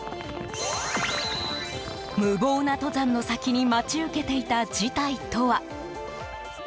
無謀な登山の先に待ち受けていた事態とは？